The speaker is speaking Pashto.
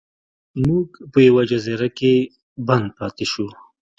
موږ په یوه جزیره کې بند پاتې شو.